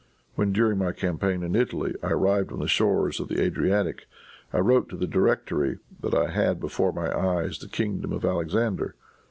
When, during my campaign in Italy, I arrived on the shores of the Adriatic, I wrote to the Directory, that I had before my eyes the kingdom of Alexander.